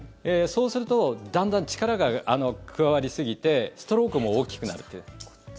そうするとだんだん力が加わりすぎてストロークも大きくなる。